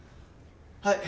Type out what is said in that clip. はい！